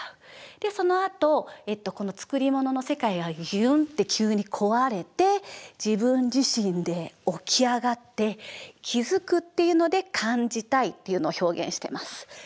そのあとこの作り物の世界がギュンって急に壊れて自分自身で起き上がって気付くっていうので「感じたい」っていうのを表現してます。